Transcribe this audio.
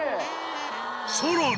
さらに。